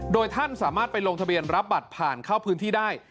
โดยท่านสามารถไปลงทะเบียนรับบัตรผ่านเข้าพื้นที่ได้